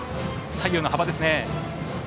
左右の幅ですね。